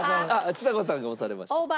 ちさ子さんが押されました。